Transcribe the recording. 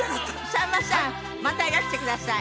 さんまさん！またいらしてください。